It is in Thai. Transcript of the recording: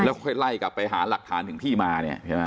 ค่อยไล่กลับไปหาหลักฐานถึงที่มาเนี่ยใช่ไหม